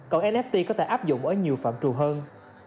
còn ft có thể áp dụng ở nhiều phạm trù hơn